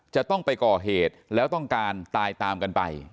จะต้องไปก่อเหตุแล้วต้องการตายตามกันไป